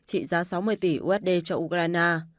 trị giá sáu mươi tỷ usd cho ukraine